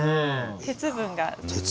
鉄分が。